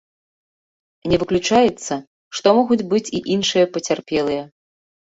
Не выключаецца, што могуць быць і іншыя пацярпелыя.